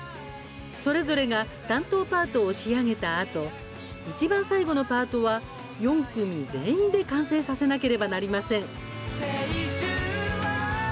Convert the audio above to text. それぞれが担当パートを仕上げたあといちばん最後のパートは４組全員で完成させなければなりません。